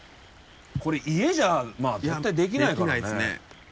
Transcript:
これ家じゃ絶対できないからね。